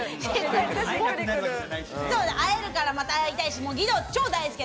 会えるからまた会いたいし、義堂、超大好き。